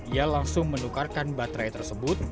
ia langsung menukarkan baterai listrik yang sedang dipakai akan habis